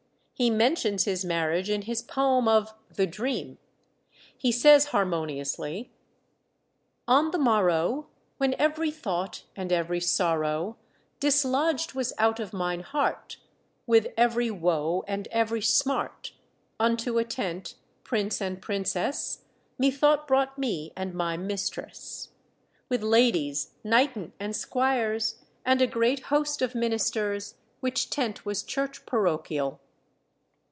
He mentions his marriage in his poem of The Dream. He says harmoniously "On the morrow, When every thought and every sorrow Dislodg'd was out of mine heart, With every woe and every smart, Unto a tent prince and princess Methought brought me and my mistress. With ladies, knighten, and squiers, And a great host of ministers, Which tent was church parochial."